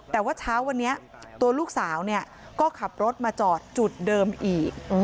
แต่ว่าเช้าวันนี้ตัวลูกสาวก็ขับรถมาจอดจุดเดิมอีก